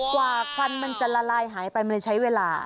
ควันมันจะละลายหายไปมันเลยใช้เวลา